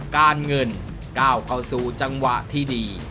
การเงินก้าวเข้าสู่จังหวะที่ดี